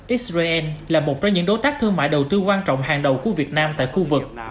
israel là một trong những đối tác thương mại đầu tư quan trọng hàng đầu của việt nam tại khu vực